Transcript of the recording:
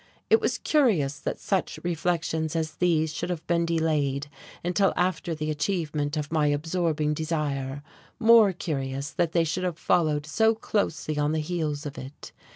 It was curious that such reflections as these should have been delayed until after the achievement of my absorbing desire, more curious that they should have followed so closely on the heels of it.